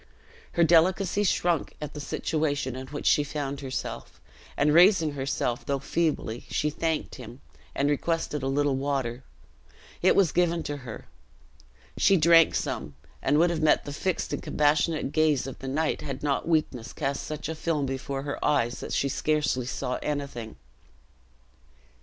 Her delicacy shrunk at the situation in which she found herself; and raising herself, though feebly, she thanked him, and requested a little water. It was given to her. She drank some, and would have met the fixed and compassionate gaze of the knight, had not weakness cast such a film before her eyes that she scarcely saw anything.